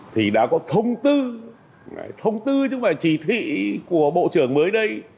thì đã có thông tư thông tư chứ không phải chỉ thị của bộ trưởng mới đây